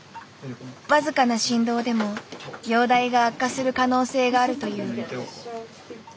僅かな振動でも容体が悪化する可能性があるという。